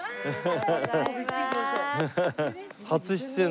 初出演。